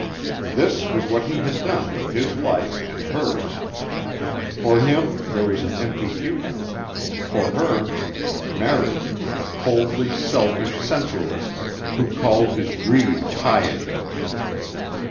This was what he had done with his life and hers. For him there was an empty future: for her marriage with a coldly selfish sensualist who called his greed piety.